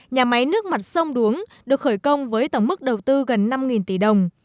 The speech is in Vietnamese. nhà máy nước mặt sông đuống được khởi công với tổng mức đầu tư gần năm tỷ đồng